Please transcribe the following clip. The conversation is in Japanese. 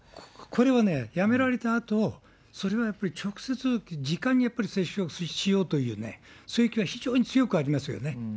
これはね、辞められたあと、それはやっぱり直接、じかに、接触しようというね、そういう気は非常に強くありますよね。